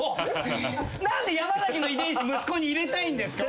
何で山崎の遺伝子息子に入れたいんですか俺の。